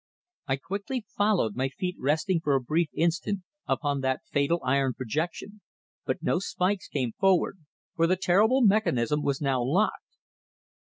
I quickly followed, my feet resting for a brief instant upon the fatal iron projection, but no spikes came forward, for the terrible mechanism was now locked.